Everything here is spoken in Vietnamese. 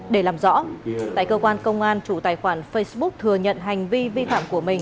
để làm rõ tại cơ quan công an chủ tài khoản facebook thừa nhận hành vi vi phạm của mình